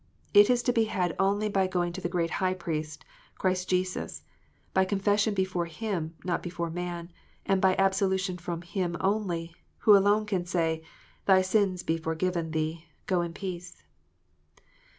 It is to be had only by going to the great High Priest, Christ Jesus ; by confession before Him, not before man ; and by absolution from Him only, who alone can say, " Thy sins be forgiven thee : go in peace."